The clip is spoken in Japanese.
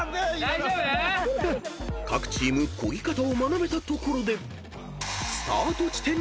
大丈夫⁉［各チームこぎ方を学べたところで］